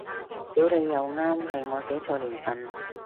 屌你又啱，係我寫錯年份